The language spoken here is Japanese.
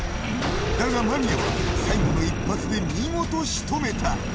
だが、間宮は最後の１発で見事仕留めた。